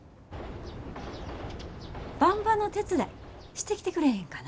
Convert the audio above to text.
ばんばの手伝いしてきてくれへんかな？